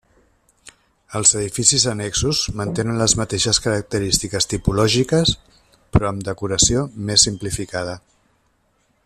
Els edificis annexos mantenen les mateixes característiques tipològiques, però amb decoració més simplificada.